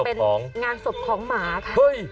เป็นงานศพของหมาค่ะ